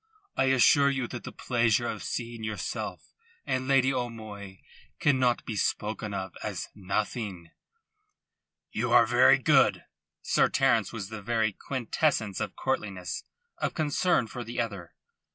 I assure you that the pleasure of seeing yourself and Lady O'Moy cannot be spoken of as nothing." "You are very good." Sir Terence was the very quintessence of courtliness, of concern for the other.